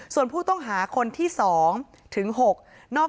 สวัสดีครับ